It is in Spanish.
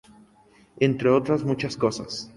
Entre otras muchas cosas.